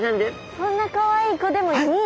そんなかわいい子でも２位。